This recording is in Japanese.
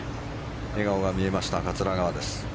笑顔が見えました、桂川。